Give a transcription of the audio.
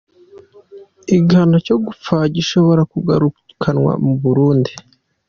Igihano co gupfa gishobora kugarukanwa mu Burundi.